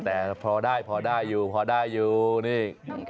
แต่พอได้อยู่นี่